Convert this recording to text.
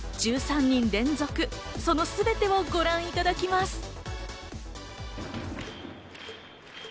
１３人連続そのすべてをご覧いただきます。